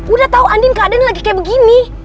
udah tau andin keadaan lagi kayak begini